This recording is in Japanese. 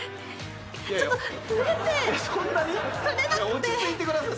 落ち着いてください。